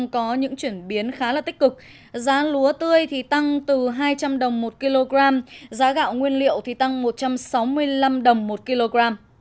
chuyển biến khá là tích cực giá lúa tươi thì tăng từ hai trăm linh đồng một kg giá gạo nguyên liệu thì tăng một trăm sáu mươi năm đồng một kg